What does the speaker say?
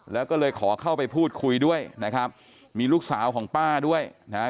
แล้วก็เลยขอเข้าไปพูดคุยด้วยนะครับมีลูกสาวของป้าด้วยนะฮะ